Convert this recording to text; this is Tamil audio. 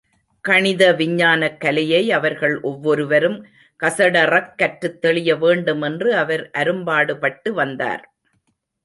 கணித விஞ்ஞானக்கலையை, அவர்கள் ஒவ்வொருவரும் கசடறக் கற்றுத் தெளியவேண்டுமென்று அவர் அரும்பாடுபட்டு வந்தார்.